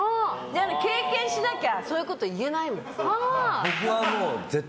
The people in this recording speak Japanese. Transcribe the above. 経験しなきゃそういうこと言えないもん。